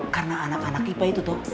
karena anak anak ipa itu tuh